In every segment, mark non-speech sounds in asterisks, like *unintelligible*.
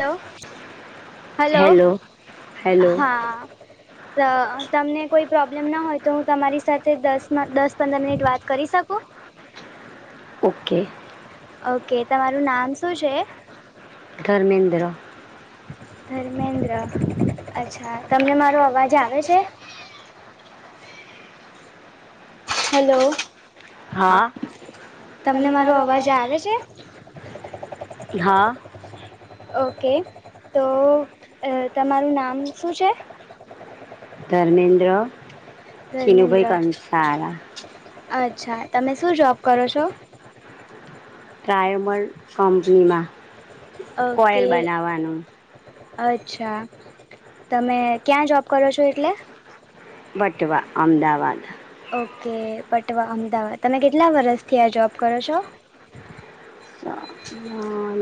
Hello hello hello hello હા તમને કોઈ પ્રોબ્લેમ ના હોય તો હું તમારી સાથે દસ દસ પંદર મિનિટ વાત કરી શકું ઓકે ઓકે તમારું નામ શું છે ધર્મેન્દ્ર ધર્મેન્દ્ર અચ્છા તમને મારો અવાજ આવે છે પ હેલો હા તમને મારો અવાજ આવે છે હા ઓકે તો તમારું નામ શું છે ધર્મેન્દ્ર ધર્મેન્દ્ર ચિનુભાઈ કંસારા અચ્છા તમે શું જોબ કરો છો ટ્રાયોમલ કંપનીમાં કોયલ ઓકે બનાવવાનું અચ્છા તમે ક્યાં જોબ કરો છો એટલે વટવા અમદાવાદ ઓકે પટવા અમદાવાદ તમે કેટલા વરષથી આ જોબ કરો છો હ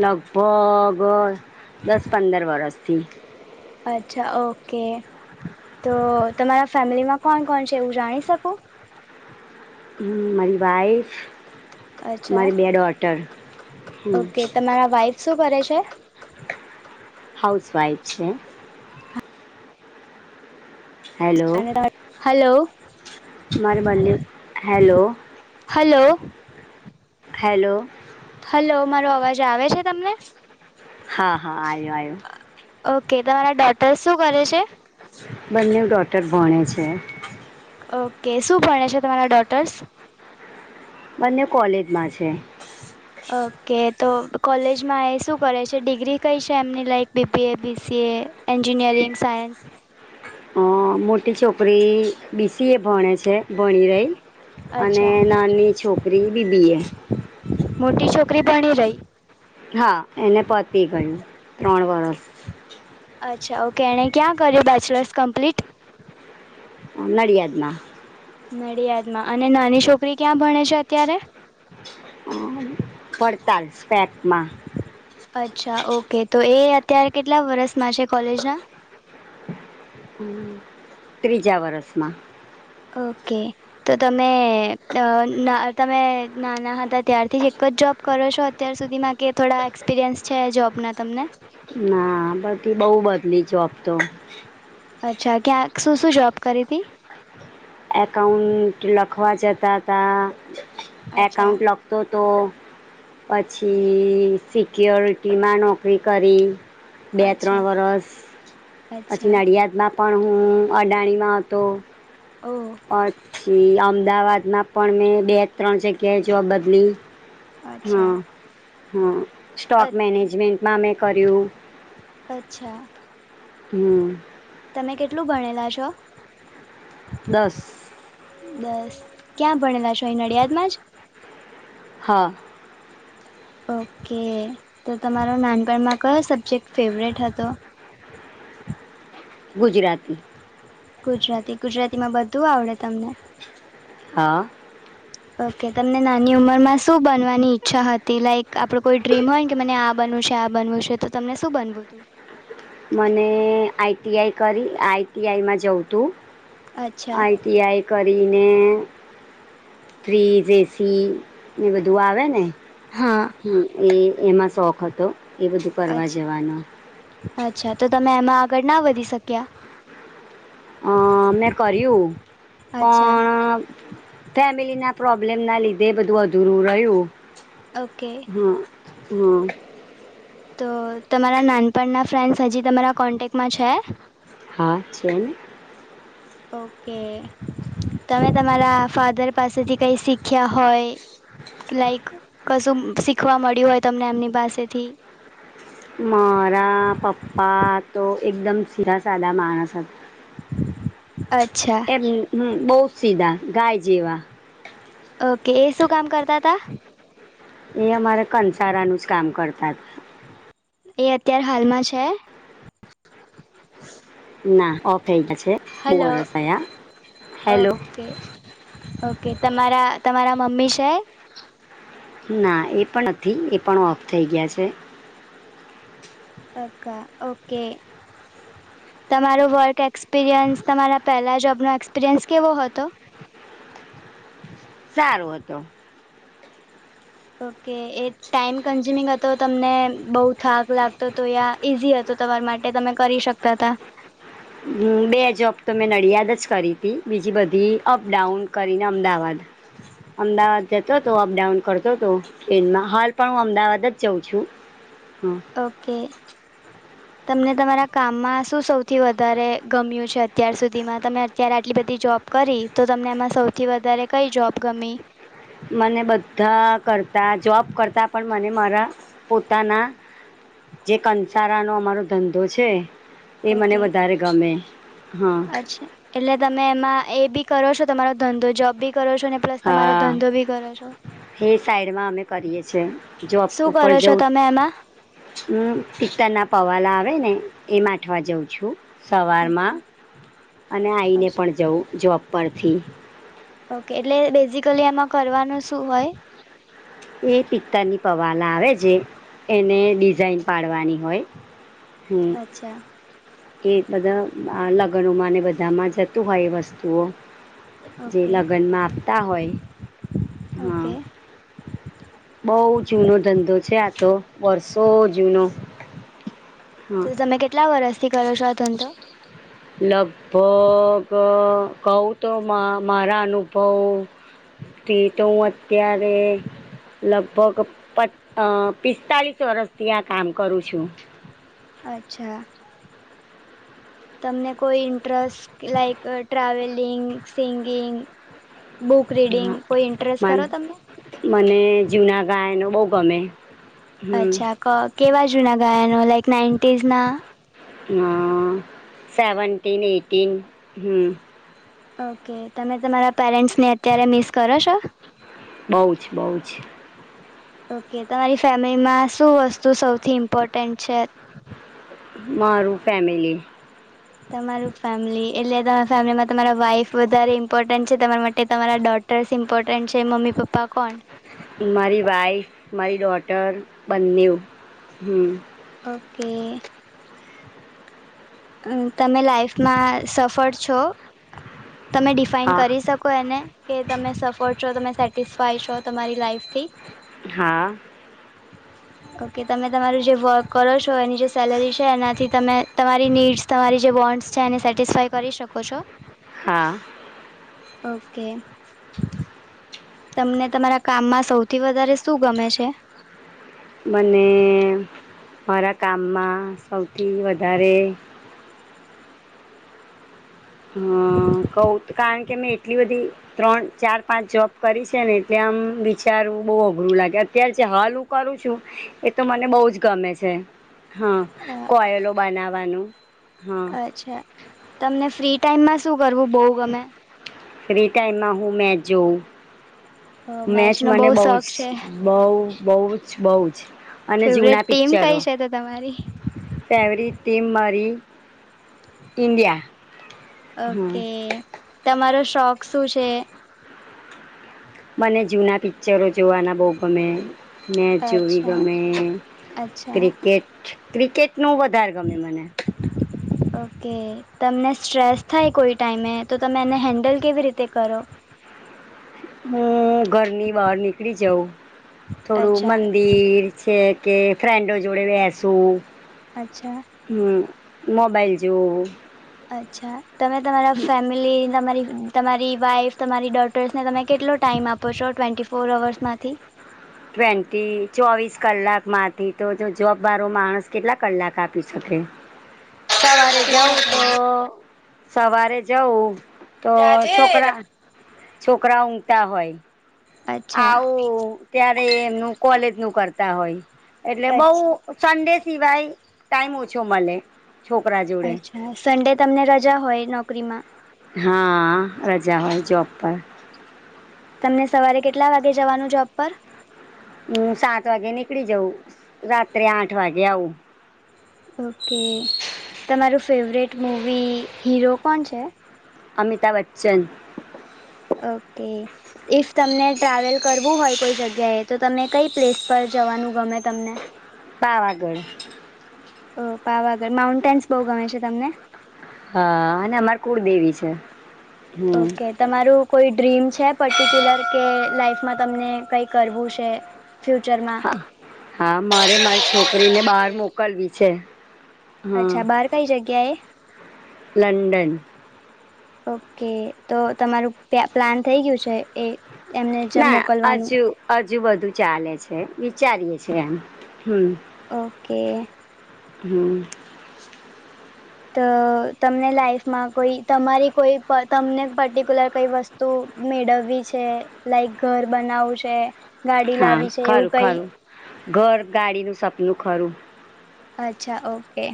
લગભગ દસ પંદર વરસથી અચ્છા ઓકે તો તમારા ફેમિલીમાં કોણ કોણ છે એવું જાણી શકું મારી વાઇફ અચ્છા મારી બે ડોટર ઓકે તમારા વાઈફ શું કરે છે હાઉસ વાઈફ છે હેલો હલો મારે બ હેલો હલો હેલો. હલો મારો અવાજ આવે છે તમને હા હા આયો આયો ઓકે તમારા ડોટર્સ શું કરે છે? બંને ડોટર ભણે છે. ઓકે શું ભણે છે તમારા ડોટર્સ? બંને કોલેજમાં છે. ઓકે તો કોલેજમાં એ શું કરે છે ડિગ્રી કઈ છે એમની like B. B. A., B. C. A. Engineering science અ મોટી છોકરી બી. સી. એ. ભણે છે ભણી રહી અને અચ્છા નાની છોકરી બી. બી. એ. મોટી છોકરી ભણી રહી હા એને પતી ગયું ત્રણ વરસ અચ્છા ઓકે એણે ક્યાં કર્યું બેચલર્સ કમ્પ્લીટ? નડિયાદમાં. નડિયાદમાં અને નાની છોકરી ક્યાં ભણે છે અત્યારે? આણંદ. વડતાલ સ્પેકમાં. અચ્છા ઓકે તો એ અત્યારે કેટલા વર્ષમાં છે કોલેજના? હમ્મ. ત્રીજા વરસમાં. ઓકે. તો તમે તમે અ ના નમે નાના હતા ત્યારથી જ એક જ જોબ કરો છો અત અત્યાર સુધીમાં કે થોડા એક્સપિરિયન્સ છે જોબના તમને? ના બધી બહુ બદલી જોબ તો. અચ્છા ક્યાંક શું શું જોબ કરી હતી? એકાઉન્ટ લખવા જતા હતા અચ્છા એકાઉન્ટ લખતો તો પછી સિક્યોયોરિટીમાં નોકરી કરી. બે ત્રણ અચ્છા વરસ પછી અચ્છા નડિયાદમાં પણ હું અડાણીમાં હતો. ઓહો પછી અમદાવાદમાં પણ મેં બે ત્રણ જગ્યાએ જોબ બદલી. અચ્છા હં હં સ્ટોક મેનેજમેન્ટમાં મે કર્યું. અચ્છા. હમ્મ. તમે કેટલું ભણેલા છો? દસ. દસ ક્યાં ભણેલા છો અહીં નડિયાદમાં જ? હા. ઓકે તો તમારો નાનપણમાં કયો સબ્જેક્ટ ફેવરેટ હતો? ગુજરાતી. ગુજરાતી ગુજરાતીમાં બધું આવડે તમને. હા. ઓકે તો તમને નાની ઉંમરમાં શું બનવાની ઈચ્છા હતી લાઈક આપડુ કોઈ ડ્રીમ હોય ને કે, મને આ બનવુ છે આ બનવું છે તો તમને શું બનવું હતું? મને આઈ ટી આઈ કરી આઈ ટી આઈ માં જવું તું અચ્છા આઈ ટી ટી આઈ કરીને ફ્રીજ, એસી એ બધું આવે ને હા હમ્મ એ એમાં શોખ હતો એ બધું અચ્છ કરવા જવાનો. અચ્છા તો તમે એમાં આગળ ના વધી શક્યા? અ મેં કર્યું અચ્છા પણ ફેમિલી ના પ્રોબ્લેમ ના લીધે બધું અધૂરું રહ્યું. ઓકે. હા હા તો તમારા નાનપણના ફ્રેન્ડસ હજી તમારા કોન્ટેક્ટમાં છે? હા છેને ઓકે તમે તમારા ફાધર પાસેથી કઈ શી શીખ્યા હોય લાઈક કશું શીખવા મળ્યું હોય તમને એમની પાસેથી. મારા પપ્પા તો એકદમ સીધા સાધા માણસ હતા અચ્છા હમ હમ બોવ સીધા ગાય જેવા ઓકે એ શું કામ કરતા હતા એ અમારે કંસારાનું જ કામ કરતા એ અત્યારે હાલમાં છે. ના ઓફ થઈ ગયા છે બો હલો વરસ થયાં હેલો ઓકે ઓકે તમારા તમારા મમ્મી છે ના એ પણ નથી એ પણ ઓફ થઈ ગયા છે. ઓકા ઓકે તમારો વર્ક એક્સપિરિયન્સ તમારા પહેલાં જોબનો એક્સપિરિયન્સ કેવો હતો? સારું હતો ઓકે એ ટાઈમ કન્ઝ્યુમિંગ હતો તમને બહુ થાક લાગતો હતો યા ઇઝી હતો તમારા માટે તમે કરી શકતા હતા બે જોબ તો મેં નડિયાદ જ કરી હતી બીજી બધી અપડાઉન કરીને અમદાવાદ અમદાવાદ જતો હતો અપડાઉન કરતો હતો ટ્રેનમાં હાલ પણ હું અમદાવાદ જ જાઉં છું હં ઓકે તમને તમારા કામમાં શું સૌથી વધારે ગમ્યું છે અત્યાર સુધીમાં તમે અત્યારે આટલી બધી જોબ. કરી તો તમને એમાં સૌથી વધારે કઈ જોબ ગમી મને બધા કરતા જોબ કરતાં પણ મને મારા પોતાના જે કંસારાનો અમારો ધંધો છે એ મને ઓકે. વધારે ગમે હા. એટલે તમે એમાં એ બી કરો છો તમારો ધંધો જોબ બી કરો છો ને પ્લસ તમારો ધંધો બી કરો છો હે સાઈડમાં અમે કરીએ છે જોબ શું ઉપર કરો છો જવું. તમે એમાં? હમ પિતર ના પવાલા આવે ને એ માંઠવા જઉં છું. ઓકે સવારમાં અને આવીને અચ્છા. પણ જવું જોબ પરથી ઓકે એટલે બેઝિકલી એમાં કરવાનું શું હોય એ પિત્તરની પવાલા આવે છે. એને ડિઝાઇન પાડવાની હોય હું અચ્છા કે બધા લગનોમાં ને બધામાં જતું હોય વસ્તુઓ. જે ઓકે. લગનમાં આપતા હોય હા ઓકે બોવ જૂનો ધંધો છે આ તો વર્ષો જૂનો. હં તો તમે કેટલા વરષથી કરો છો આ ધંધો લગભગ કઉ તો મારા અનુભવ. ટી તો હું અત્યારે લગભગ પ પિસ્તાલિસ વર્ષથી આ કામ કરું છું અચ્છા તમને કોઈ interest like travelling singing book reading હં કોઈ ઇન્ટરેસ્ટ ખરો મને તમને મને જુના ગાયનો બોવ ગમે હમ અચ્છા ક કેવા જૂના ગાયનો લાઈક નાઇન્ટીઝ ના હા સેવન્ટીન એટીન હમ ઓકે તમે તમારા પેરેન્ટસ ને અત્યારે મિસ કરો છો બહુ જ બહુ જ ઓકે તમારી ફેમિલીમાં શું વસ્તુ સૌથી ઇમ્પોર્ટન્ટ છે. મારું ફેમિલી તમારું ફેમિલી એટલે તમારા ફેમિલીમાં તમારા વાઇફ વધારે ઇમ્પોર્ટન્ટ છે તમારા માટે તમારા ડોટ ડ્રેસ ઈમ્પોર્ટન્ટ છે મમ્મી પપ્પા કોણ મારી વાઈફ મારી ડોટર બંને એવું ઓકે. અ તમે લાઈફમાં સફળ છો તમે ડિફાઈન હા કરી શકો કો એને કે તમે સફળ છો તમે સેટિસફાય છો તમારી લાઈફથી હા. ઓકે તમે તમારું જે વર્ક કરો છો એની જે સેલરી છે એનાથી તમે તમારી તમારી નીડસ તમારી જે બોન્ડસ છે એને સેટિસ્ફાય કરી શકો છો? હા. ઓકે. તમને તમારા કામમાં સૌથી વધારે શું ગમે છે? મને મારા કામમાં સૌથી વધારે હમ્મ કઉ કારણ કે મેં એટલી બધી ત્રણ ચાર પાંચ જોબ કરી છે ને એટલે આમ વિચારવું બહુ અઘરું લાગે અત્યારે જે હાલ હું કરું છું એ તો મને બહું જ ગમે છે હા. કોયલો બનાવાનું અચ્છા તમને ફ્રી ટાઈમમાં શું કરવું બહુ ગમે ફ્રી ટાઈમમાં હું મેચ જોઉં મેચ મેચનો મને બહુ શોખ જ છે બઉ બઉ જ બહુ જ અને ફેવરેટ જૂના ટીમ કઈ છે તો તમારી? પેવરી ટિમ મારી ઇન્ડિયા હા ઓકે તમારો શોખ શું છે? મને જૂના પિક્ચરો જોવાના બહુ ગમે મેચ જોવી અચ્છા ગમે અચ્છા ક્રિકેટ ક્રિકેટનું વધારે ગમે મને ઓકે તમને સ્ટ્રેસ થાય કોઈ ટાઈમે તો તમે એને હેન્ડલ કેવી રીતે કરો હું ઘરની બહાર નીકળી જાઉં થોડું અચ્છા મંદ ફીર છે કે ફ્રેન્ડો જોડે બેસુ અચ્છા. હમ્મ મોબાઈલ જોવુ અચ્છા તમે તમારા ફેમિલી એટલી તમારી તમારી વાઈફ તમારી ડોટર્સને તમે કેટલો ટાઈમ આપો છો ટ્વેન્ટી ફોર અવર્સમાંથી ટ્વેન્ટી ચોવીસ કલાકમાંથી તો જો જોબ મારો માણસ કેટલા કલાક આપી શકે સવારે જવું તો સવારે જવું તો છોકરા છોકરા ઊંઘતા હોય અચ્છા આવું ત્યારે એમનું કોલેજ નું કરતા હોય એટલે બઉ અચ્છા સન્ડે સિવાય ટાઈમ ઓછો મળે છોકરા જોડે હા સન્ડે તમને રજા હોય નોકરીમાં હા રજા હોય જોબ પર તમને સવારે કેટલા વાગે જવાનું જોબ પર હમ્મ સાત વાગે નીકળી જઉ રાત્રે આઠ વાગે આવું ઓકે તમારું ફેવરેટ મૂવી હીરો કોણ છે. અમિતાભ બચ્ચન ઓકે. ઈફ તમને ટ્રાવેલ કરવું હોય કોઈ જગ્યાએ તો તમે કઈ પ્લેસ પર જવાનું ગમે તમને. *inaudible* પાવાગઢ. ઓ પાવાગઢ માઉન્ટેન્સ બહુ ગમે છે તમને. હા અને અમાર કુળદેવી છે. હમ ઓકે. તમારું કોઈ ડ્રીમ છે પર્ટિક્યુલર કે લાાઈફમાં તમને કઈ કરવું છે. ફ્યુચરમાં. હા. હા મારે મારી છોકરીને બહાર મોકલવી છે. હા અચ્છા બહાર કઈ જગ્યાએ લંડન. ઓકે તો તમારું પ્યા પ્લાન થઈ ગયું છે એ. એમને જ ના મોકલવાનું હજુ હજુ બધું ચાલે છે વિચારીએે છે એમ હમ્મ. ઓકે. હમ્મ. તો તમને લાઈફમાં કોઈ તમારી કોઈ તમને પર્ટિક્યુલર કઈ વસ્ત તું મેળવવી છે લાઈક ઘર બનાવું છે ગાડી હા લાવી છે એવું ખરું કઈ. ખરું ઘર ગાડીનું સપનું ખરું. અચ્છા ઓકે.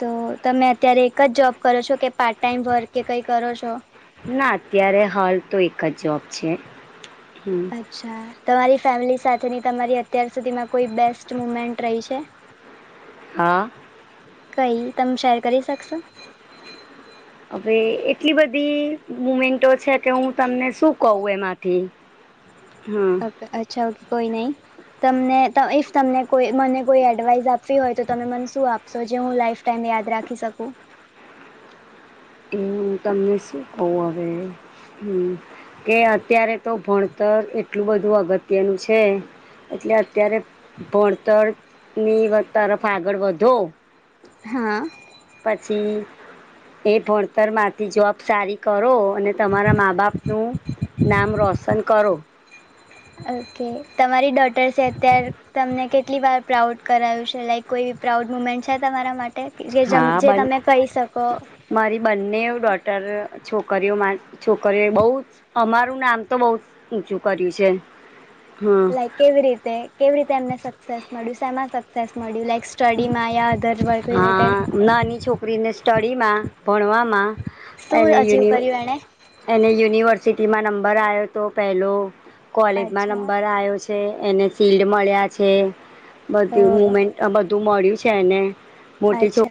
તો તમે અત્યારે એક જ જોબ કરો છો કે પાર્ટ ટાઈમ વર્ક કે કંઈ કરો છો. ના અત્યારે હાલ તો એક જ જોબ છે હમ્મ. અચ્છા તમારી ફેમિલી સાથેની તમારી અત્યાર સુધીમાં કોઈ બેસ્ટ મુમેન્ટ રહી છે. *inaudible* હા. કઈ તમે શેર કરી શકશો. હવે એટલી બધી મુમેન્ટો છે કે હું તમને શું કહું એમાંથી. ઓકે અચ્છા ઓકે કોઈ નહીં. તમને ઇફ તમને કોઈ મને કોઈ એડવાઇસ આપવી હોય તો તમે મને શું આપશો જે હું લાઈફ ટાઈમે યાદ રાખી શકું. એ હું તમને શું કહું હવે હમ્મ કે અત્યારે તો ભણ તર એટલું બધું અગત્યનું છે એટલે અત્યારે ભણતરની તરફ આગળ વધો. હા. પછી એ ભણતર મા થી જોબ સારી કરો અને તમારા મા બાપનું નામ રોશન કરો. *inaudible* ઓકે તમારી ડોટર્સે અત્યારે તમને કેટલી વાર પ્રાઉડ કરાવ્યું છે લાઈક કોઈ પ્રાઉડ મુમેન્ટ છે તમારા માટે જે હા જે બન તમે કહી શકો. મારી બંને ડોટર છોકરીઓ મા છોકરીઓ બહુ અમારું નામ તો બહુ ઊંચું કર્યું છે. હમ લાઈક કેવી રીતે કેવી રીતે એમને સક્સેસ મળ્યું સેમાં સક્સેસ મળ્યું લાઈક સ્ટડીમાં યા અદર વર્ક રિલેટેડ. હા નાની છોકરીને સ્ટડીમાં ભણવામાં શું અને અચીવ યુન કર્યું એણે એને યુનિવર્સિટીમાં નંબર આવ્યો તો પેલો કોલેજમાં અચ્છા નંબર આવ્યો છે. તે એને સીડ મળ્યા છે તો બધી મુમેન્ટ *unintelligible* બધું મળ્યું છે એને મોટી છો અચ્છા